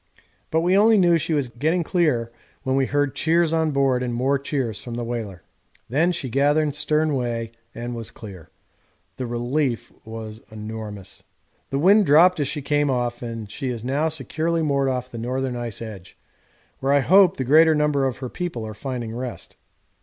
But we only knew she was getting clear when we heard cheers on board and more cheers from the whaler. Then she gathered stern way and was clear. The relief was enormous. The wind dropped as she came off, and she is now securely moored off the northern ice edge, where I hope the greater number of her people are finding rest.